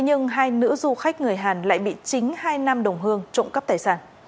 nhưng hai nữ du khách người hàn lại bị chính hai nam đồng hương trộm cắp tài sản